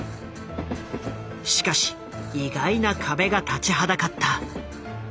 しかし意外な壁が立ちはだかった。